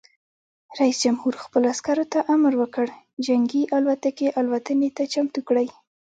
رئیس جمهور خپلو عسکرو ته امر وکړ؛ جنګي الوتکې الوتنې ته چمتو کړئ!